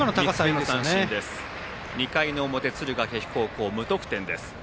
２回の表、敦賀気比高校無得点です。